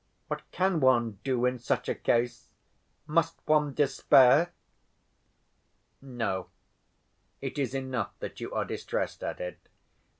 What can one do in such a case? Must one despair?" "No. It is enough that you are distressed at it.